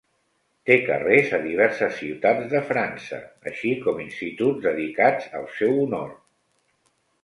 Té carrers a diverses ciutats de França, així com instituts, dedicats al seu honor.